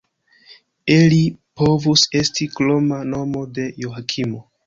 Eli povus esti kroma nomo de Joakimo.